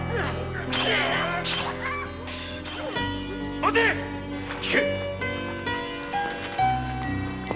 待て‼退け！